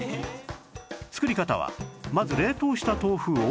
作り方はまず冷凍した豆腐を